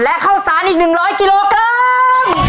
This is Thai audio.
และข้าวสารอีก๑๐๐กิโลกรัม